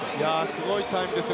すごいタイムですね。